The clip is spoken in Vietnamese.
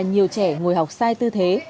nhiều trẻ ngồi học sai tư thế